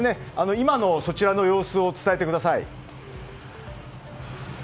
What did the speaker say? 今のそちらの様子を伝えてください。